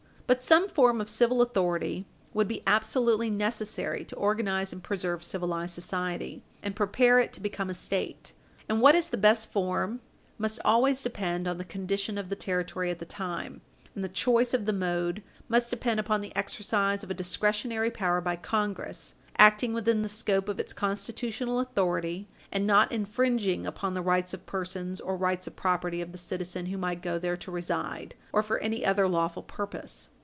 But some form of civil authority would be absolutely necessary to organize and preserve civilized society and prepare it to become a State, and what is the best form must always depend on the condition of the Territory at the time, and the choice of the mode must depend upon the exercise of a discretionary power by Congress, acting within the scope of its constitutional authority, and not infringing upon the rights of person or rights of property of the citizen who might go there to reside, or for any other lawful purpose.